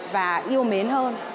và yêu mến hơn